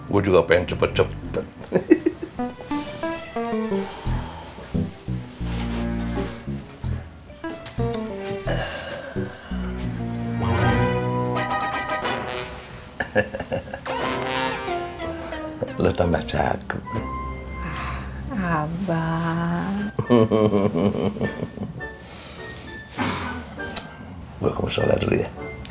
gue kasih sholat dulu ya